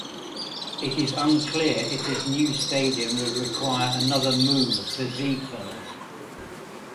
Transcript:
It is unclear if this new stadium will require another move for Ziegfelds.